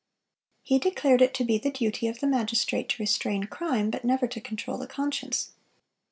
(440) He declared it to be the duty of the magistrate to restrain crime, but never to control the conscience.